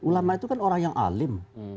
ulama itu kan orang yang alim